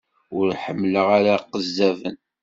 Ur ḥemmleɣ ara iqezzaben.